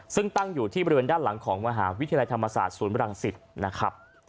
ซึ่งตั้งอยู่ที่บริเวณด้านหลังของมหาวิทยาลัยธรรมศาสตร์ศูนย์บรังสิตนะครับ